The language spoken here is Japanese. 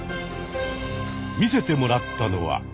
見せてもらったのは。